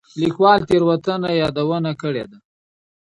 ليکوال تېروتنه يادونه کړې ده.